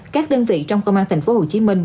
các đơn vị trong công an thành phố hồ chí minh